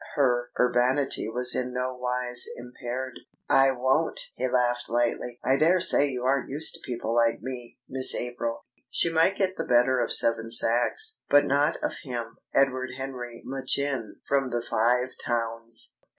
Her urbanity was in no wise impaired. "I won't," he laughed lightly. "I dare say you aren't used to people like me, Miss April." (She might get the better of Seven Sachs, but not of him, Edward Henry Machin from the Five Towns!)